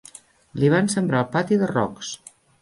Li van sembrar el pati de rocs.